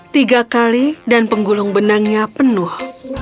tiga kali dan penggulung benangnya penuh